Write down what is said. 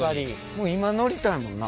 もう今乗りたいもんな。